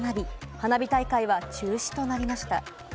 花火大会は中止となりました。